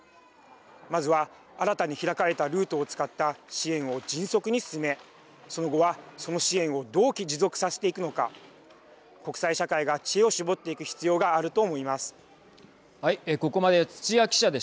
まずは新たに開かれたルートを使った支援を迅速に進めその後はその支援をどう持続させていくのか国際社会が知恵を絞っていく必要があると思います。